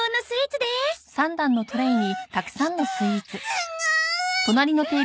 すごい！